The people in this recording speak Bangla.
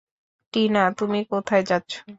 টিনা, তুমি কোথায় যাচ্ছ?